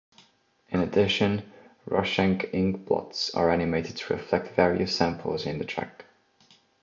In addition, Rorschach ink-blots are animated to reflect various samples in the track.